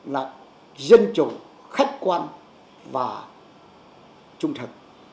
là dân chủ khách quan và trung thực